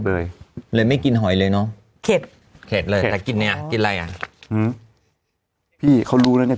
เลยเลยไม่กินหอยเลยเนอะเข็ดเข็ดเลยแต่กินเนี้ยกินอะไรอ่ะอืมพี่เขารู้แล้วเนี้ย